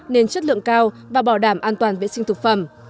nên chất lượng cao và bảo đảm an toàn vệ sinh thực phẩm